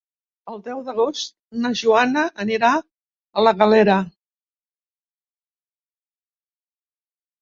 El deu d'agost na Joana anirà a la Galera.